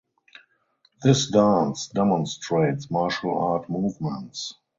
This dance demonstrates martial art movements.